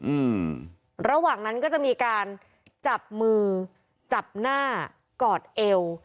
อืมระหว่างนั้นก็จะมีการจับมือจับหน้ากอดเอว